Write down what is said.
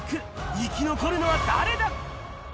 生き残るのは誰だ？